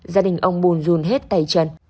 gia đình ông buồn run hết tay chân